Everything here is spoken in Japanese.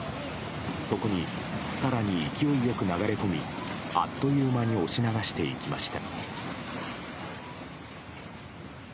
そこに、更に勢いよく流れ込みあっという間に押し流していきました。